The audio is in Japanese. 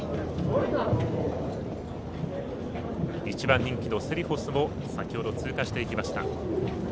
１番人気のセリフォスも先ほど通過していきました。